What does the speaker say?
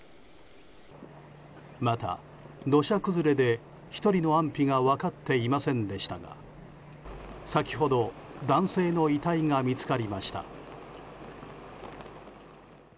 また、土砂崩れで１人の安否が分かっていませんでしたが先ほど男性の遺体が見つかりました。